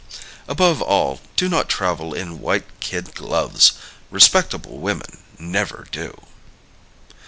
Above all, do not travel in white kid gloves. Respectable women never do.